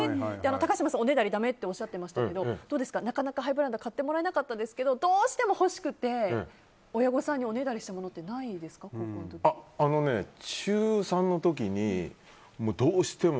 高嶋さん、おねだりダメっておっしゃってましたけどどうですか、なかなかハイブランドを買ってもらえなくてどうしても欲しくて親御さんにおねだりしたものって中３の時に、どうしても